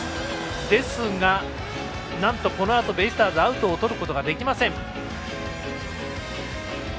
ですが、なんとこのあとベイスターズアウトをとることができません。